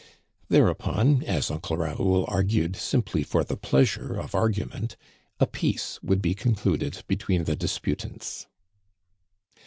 Thereupon, as Uncle Raoul argued simply for the pleasure of argument, a peace would be concluded be tween the disputants.